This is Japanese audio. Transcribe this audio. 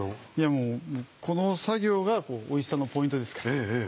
もうこの作業がおいしさのポイントですから。